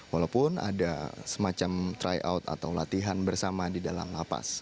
walaupun ada semacam tryout atau latihan bersama di dalam lapas